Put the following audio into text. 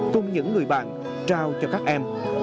cùng những người bạn trao cho các em